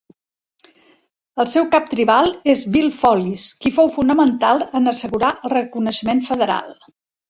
El seu cap tribal és Bill Follis, qui fou fonamental en assegurar el reconeixement federal.